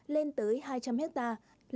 lên tới hai trăm linh hectare